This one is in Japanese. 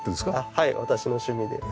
はい私の趣味です。